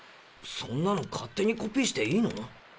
そんなの勝手にコピーしていいの？